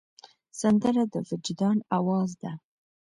سندره د وجدان آواز ده